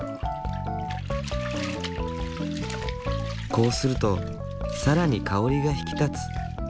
こうすると更に香りが引き立つ。